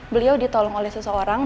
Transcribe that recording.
beliau ditolong oleh seseorang